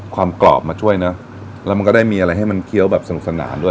กรอบมาช่วยเนอะแล้วมันก็ได้มีอะไรให้มันเคี้ยวแบบสนุกสนานด้วย